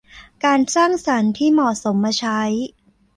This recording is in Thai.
การสร้างสรรค์ที่เหมาะสมมาใช้